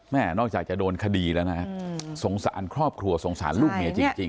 นอกจากจะโดนคดีแล้วนะฮะสงสารครอบครัวสงสารลูกเมียจริง